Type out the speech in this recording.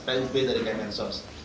pub dari kementsource